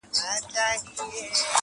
دریم یار په ځان مغرور نوم یې دولت وو،